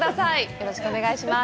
よろしくお願いします。